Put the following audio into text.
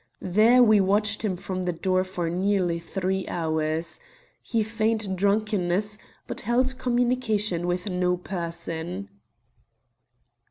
There we watched him from the door for nearly three hours. He feigned drunkenness, but held communication with no person."